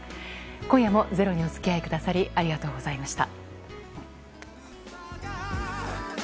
今夜も「ｚｅｒｏ」にお付き合いくださりありがとうございました。